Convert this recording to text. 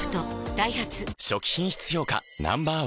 ダイハツ初期品質評価Ｎｏ．１